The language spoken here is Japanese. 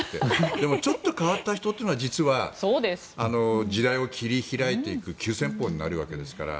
でも、ちょっと変わった人というのが、実は時代を切り開いていく急先鋒になるわけですから。